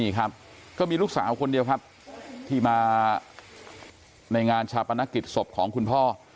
นี่ครับก็มีลูกสาวคนเดียวครับที่มาในงานชาปนกิจศพของคุณพ่อ